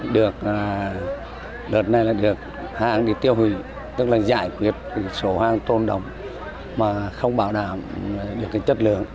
lượt này được hãng tiêu hủy tức là giải quyết số hãng tôn đồng mà không bảo đảm được chất lượng